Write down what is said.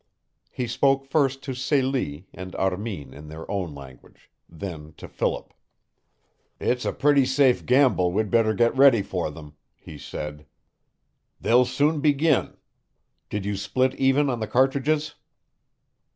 He spoke first to Celie and Armin in their own language, then to Philip. "It's a pretty safe gamble we'd better get ready for them," he said. "They'll soon begin. Did you split even on the cartridges?"